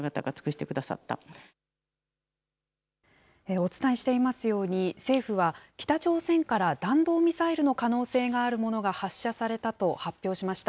お伝えしていますように、政府は、北朝鮮から弾道ミサイルの可能性があるものが発射されたと発表しました。